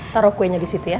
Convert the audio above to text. taruh kuenya disitu ya